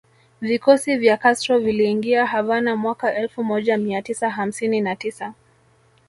Vikosi vya Castro viliingia Havana mwaka elfu moja mia tisa hamsini na tisa